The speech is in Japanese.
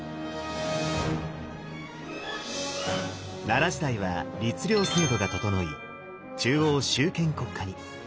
奈良時代は律令制度が整い中央集権国家に。